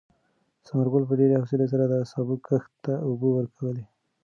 ثمر ګل په ډېرې حوصلې سره د سابو کښت ته اوبه ورکولې.